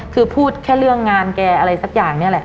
คือพูดแค่เรื่องงานแกอะไรสักอย่างนี่แหละ